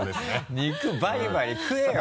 肉バリバリ食えよ！